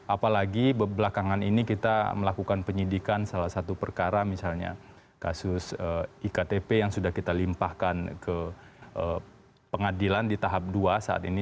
apalagi belakangan ini kita melakukan penyidikan salah satu perkara misalnya kasus iktp yang sudah kita limpahkan ke pengadilan di tahap dua saat ini